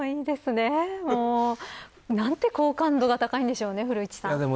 何て好感度が高いんでしょうね古市さん。